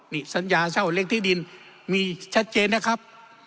นี่สัญญาเช่าเลขที่ดินมีชัดเจนนะครับ